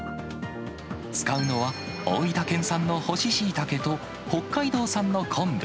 使うのは大分県産の干ししいたけと、北海道産の昆布。